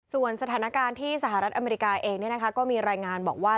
ส่วนสถานการณ์ที่สหรัฐอเมริกาเองก็มีรายงานบอกว่า